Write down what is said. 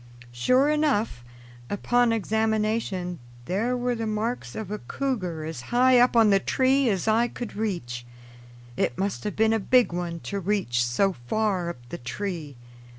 Sure enough, upon examination, there were the marks of a cougar as high up on the tree as I could reach. It must have been a big one to reach so far up the tree.